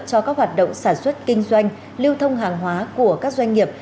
cho các hoạt động sản xuất kinh doanh lưu thông hàng hóa của các doanh nghiệp